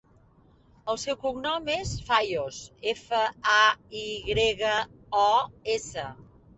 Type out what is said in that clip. El seu cognom és Fayos: efa, a, i grega, o, essa.